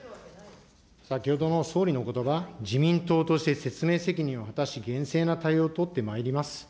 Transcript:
先ほどの総理のおことば、自民党として説明責任を果たし、厳正な対応を取ってまいります。